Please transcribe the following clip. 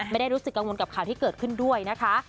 ไม่ได้รู้สึกกังวลกับข่าวที่เกิดขึ้นด้วยนะคะ